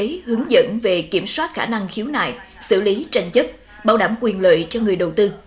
đổi mới hướng dẫn về kiểm soát khả năng khiếu nại xử lý tranh chấp bảo đảm quyền lợi cho người đầu tư